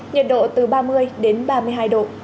nhiệt độ từ ba mươi đến ba mươi hai độ